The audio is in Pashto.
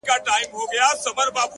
• اوس مي د زړه قلم ليكل نه كوي،